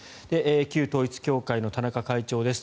旧統一教会の田中会長です。